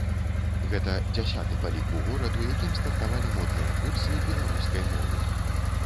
Гэта дзясяты па ліку горад, у якім стартавалі модныя курсы беларускай мовы.